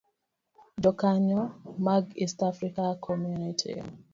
Jokanyo mag East African Community